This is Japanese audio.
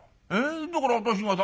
だから私がさ